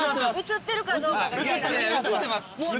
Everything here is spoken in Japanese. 映ってます。